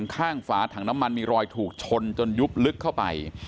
ฝาถังน้ำมันมีรอยถูกชนจนยุบลึกเข้าไป